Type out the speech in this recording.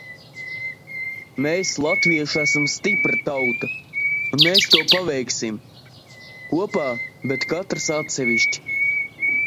Mēs, latvieši, esam stipra tauta! Un mēs to paveiksim! Kopā, bet katrs atsevišķi...